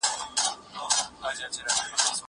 مځکي ته وګوره!